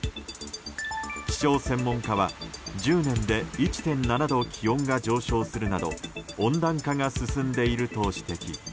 気象専門家は１０年で１．７度気温が上昇するなど温暖化が進んでいると指摘。